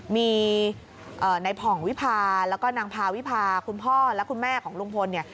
มีในผ่องวิพาแล้วก็นางพาวิพาคุณพ่อและคุณแม่ของลุงพลเนี่ย